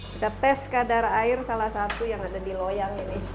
kita tes kadar air salah satu yang ada di loyang ini